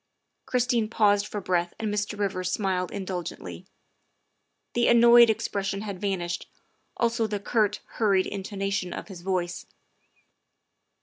'' Christine paused for breath and Mr. Rivers smiled in dulgently. The annoyed expression had vanished, also the curt, hurried intonation of his voice.